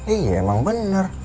iya emang bener